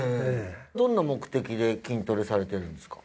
どんな目的で筋トレされてるんですか？